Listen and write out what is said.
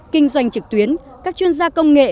kinh doanh trực tuyến các chuyên gia công nghệ